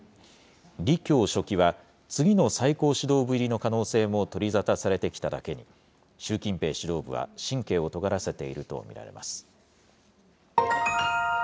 李強書記は次の最高指導部入りの可能性も取り沙汰されてきただけに、習近平指導部は神経をとがらせていると見られます。